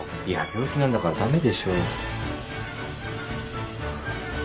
いや病気なんだから駄目でしょ。